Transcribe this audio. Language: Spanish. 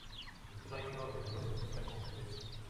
El sueño de la gloria musical con juguetes.